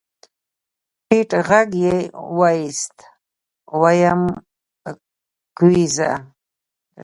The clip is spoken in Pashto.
ټيټ غږ يې واېست ويم کېوځه.